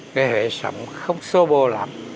người huệ sống không xô bồ lắm